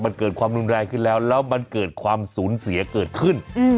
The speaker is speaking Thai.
มันเกิดความรุนแรงขึ้นแล้วแล้วมันเกิดความสูญเสียเกิดขึ้น